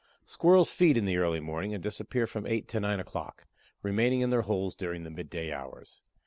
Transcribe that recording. Squirrels feed in the early morning, and disappear from eight to nine o'clock, remaining in their holes during the mid day hours.